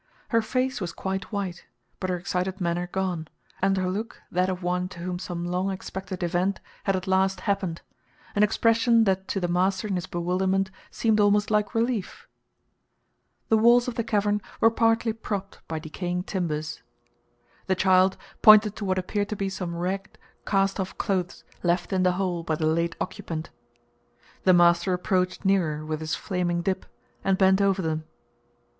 Her face was quite white, but her excited manner gone, and her look that of one to whom some long expected event had at last happened an expression that to the master in his bewilderment seemed almost like relief. The walls of the cavern were partly propped by decaying timbers. The child pointed to what appeared to be some ragged, castoff clothes left in the hole by the late occupant. The master approached nearer with his flaming dip, and bent over them.